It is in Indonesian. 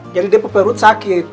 jadi depo perut sakit